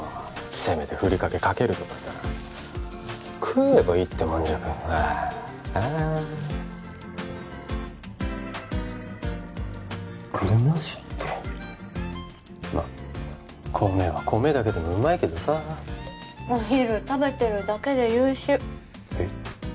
せめてふりかけかけるとかさ食えばいいってもんじゃああ具ナシってまっ米は米だけでもうまいけどさお昼食べてるだけで優秀えっ？